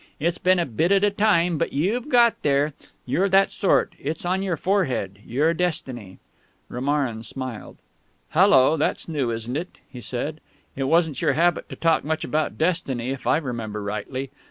It's been a bit at a time, but you've got there. You're that sort. It's on your forehead your destiny." Romarin smiled. "Hallo, that's new, isn't it?" he said. "It wasn't your habit to talk much about destiny, if I remember rightly.